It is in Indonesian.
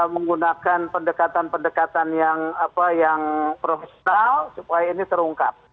menggunakan pendekatan pendekatan yang profesional supaya ini terungkap